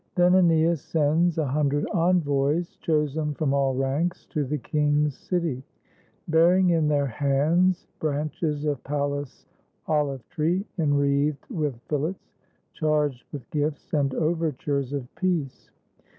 Then ^neas sends A hundred envoys, chosen from all ranks, To the king's city, — bearing in their hands Branches of Pallas' olive tree, enwreathed With fillets, — charged with gifts, and overtures Of peace.